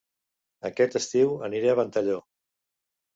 Aquest estiu aniré a Ventalló